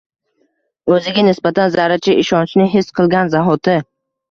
O‘ziga nisbatan zarracha ishonchni his qilgan zahoti.